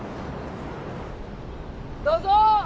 どうぞ。